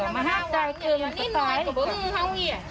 มาห้าจ่ายเกินกับตาย